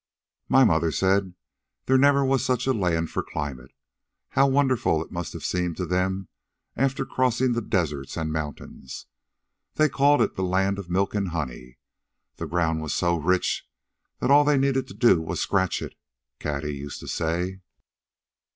"My mother said there never was such a land for climate. How wonderful it must have seemed to them after crossing the deserts and mountains. They called it the land of milk and honey. The ground was so rich that all they needed to do was scratch it, Cady used to say."